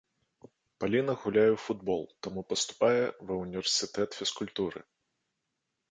Паліна гуляе ў футбол, таму паступае ва ўніверсітэт фізкультуры.